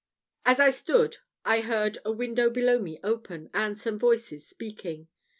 As I stood I heard a window below me open, and some voices speaking.